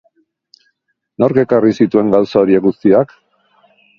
Nork ekarri zituen gauza horiek guztiak?